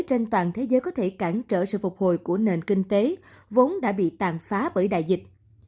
trên toàn thế giới có thể cản trở sự phục hồi của nền kinh tế vốn đã bị tàn phá bởi đại dịch